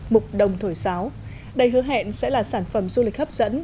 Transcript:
mục đồng thổi sáo đầy hứa hẹn sẽ là sản phẩm du lịch hấp dẫn